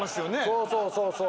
そうそうそうそう。